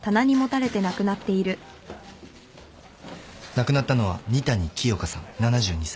亡くなったのは仁谷清香さん７２歳。